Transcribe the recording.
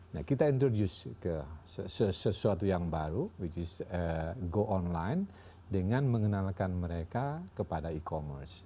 nah kita introduce ke sesuatu yang baru which is go online dengan mengenalkan mereka kepada e commerce